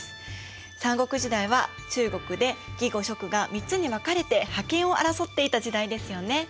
三国時代は中国で魏呉蜀が３つに分かれて覇権を争っていた時代ですよね？